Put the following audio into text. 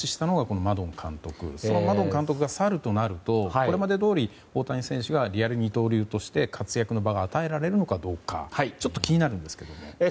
そのマドン監督が去るとなるとこれまでどおり大谷選手がリアル二刀流として活躍の場が与えられるのかどうかちょっと気になるんですけども。